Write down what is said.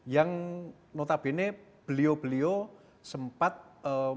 yang notabene beliau beliau sempat membuat rancangan untuk bagian itu